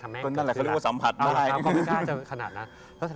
ตอนนั้นแหละก็เรียกว่าสัมผัสได้